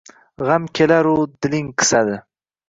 Gʻam kelaru diling qisadi –